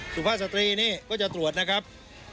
สุภาพสตรีนี่ก็จะตรวจนะครับ